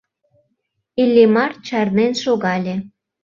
Иллимар чарнен шогале.